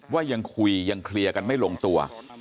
ว่ายังคุยยังเคลียร์กันไม่ลงตัว